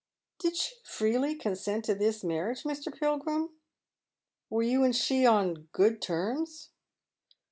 Did she fi eely consent to tliis marriage, Mr. Pilgrim ? Were you and ehe on good tenns